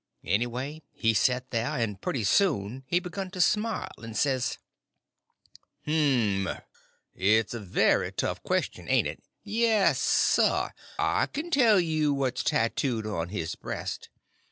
Anyway, he set there, and pretty soon he begun to smile, and says: "Mf! It's a very tough question, ain't it! Yes, sir, I k'n tell you what's tattooed on his breast.